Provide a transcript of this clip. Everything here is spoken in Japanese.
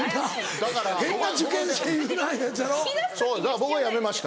だから僕はやめました